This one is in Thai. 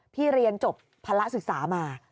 เรียนจบภาระศึกษามา